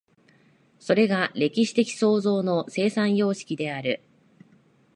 それが歴史的創造の生産様式である。